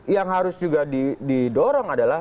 yang harus juga didorong adalah